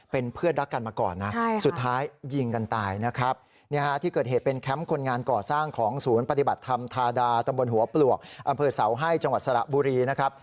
เป็นเพื่อนรักกันมาก่อนนะสุดท้ายยิงกันตายนะครับที่เกิดเหตุเป็นแคมป์คนงานก่อสร้างของศูนย์ปฏิบัติธรรมธาดาตำบลหัวปลวกอำเภอเสาให้จังหวัดสระบุรีนะครับ